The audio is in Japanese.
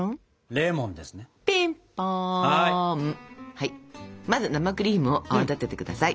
はいまず生クリーム泡立ててください。